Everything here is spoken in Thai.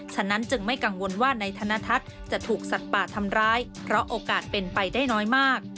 ฉะนั้นจึงไม่กังวลว่านายธนทัศน์จะถูกสัตว์ป่าทำร้ายเพราะโอกาสเป็นไปได้น้อยมาก